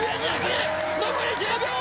残り１０秒！